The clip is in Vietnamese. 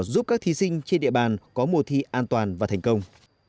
giúp các thí sinh trên địa bàn có mùa thi an toàn và thành công